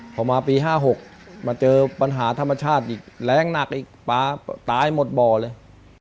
พอมาปี๕๖มาเจอปัญหาธรรมชาติอีกแรงหนักอีกป๊าตายหมดบ่อเลย